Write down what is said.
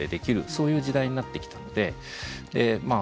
そういう時代になってきたのでまあ